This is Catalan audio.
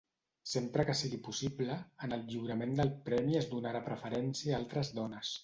Sempre que sigui possible, en el lliurament del premi es donarà preferència a altres dones.